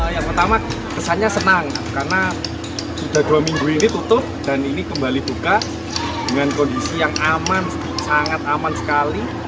yang pertama kesannya senang karena sudah dua minggu ini tutup dan ini kembali buka dengan kondisi yang aman sangat aman sekali